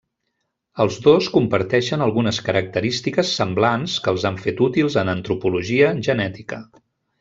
Els dos comparteixen algunes característiques semblants que els han fet útils en antropologia genètica.